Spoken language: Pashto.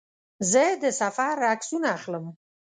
زه د سفر عکسونه اخلم.